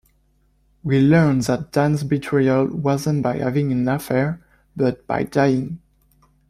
We learn that Dan's betrayal wasn't by having an affair, but by dying.